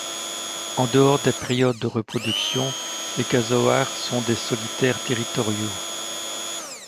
En-dehors des périodes de reproduction, les casoars sont des solitaires territoriaux.